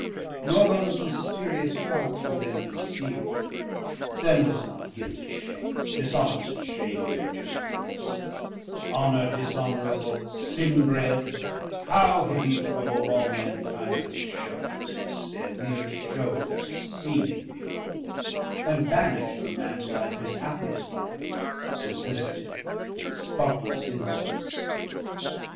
Nor those mysterious parts were then conceald, Then was not guiltie shame, dishonest shame Of natures works, honor dishonorable, Sin bred, how have ye troubl'd all mankind With shews instead, meer shews of seeming pure, And banisht from mans life his happiest life, Simplicitie and spotless innocence.